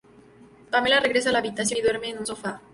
Pamela regresa a la habitación y duerme en un sofá.